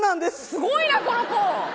すごいなこの子！